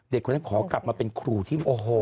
เด็กคนนั้นขอกลับมาเป็นครูที่โอ้โห